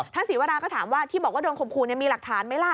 ศรีวราก็ถามว่าที่บอกว่าโดนข่มขู่มีหลักฐานไหมล่ะ